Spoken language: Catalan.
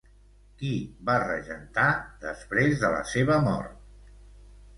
Qui va regentar després de la seva mort?